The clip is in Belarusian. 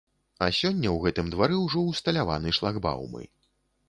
А сёння ў гэтым двары ўжо ўсталяваны шлагбаумы.